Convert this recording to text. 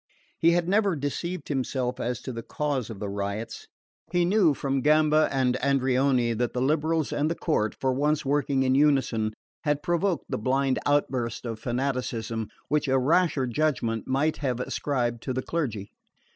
He had never deceived himself as to the cause of the riots. He knew from Gamba and Andreoni that the liberals and the court, for once working in unison, had provoked the blind outburst of fanaticism which a rasher judgment might have ascribed to the clergy.